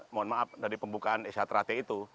mohon maaf dari pembukaan isyat ratih itu